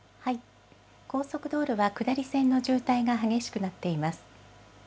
高速道路は下り線の渋滞が激しくなっています。